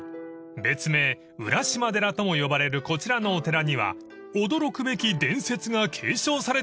［別名うらしま寺とも呼ばれるこちらのお寺には驚くべき伝説が継承されているんです］